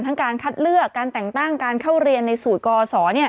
การคัดเลือกการแต่งตั้งการเข้าเรียนในสูตรกศ